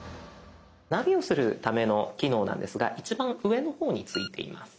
ナビをするための機能なんですが一番上の方についています。